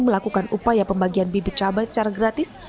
melakukan upaya pembagian bibit cabai secara gratis